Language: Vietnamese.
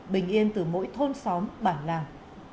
bình yên từ mỗi thôn xóm bản làng